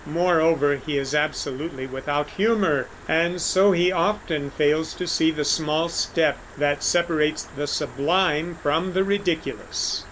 Moreover he is absolutely without humor, and so he often fails to see the small step that separates the sublime from the ridiculous.